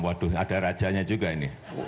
waduh ada rajanya juga ini